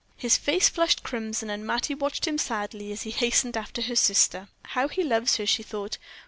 His face flushed crimson, and Mattie watched him sadly as he hastened after her sister. "How he loves her!" she thought.